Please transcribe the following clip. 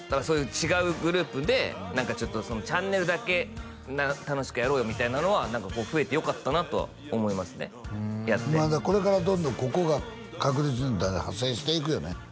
そういう違うグループで何かちょっとチャンネルだけ楽しくやろうよみたいなのは何か増えてよかったなとは思いますねやってこれからどんどんここが確実に派生していくよね